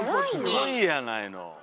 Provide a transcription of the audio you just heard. すごいやないの。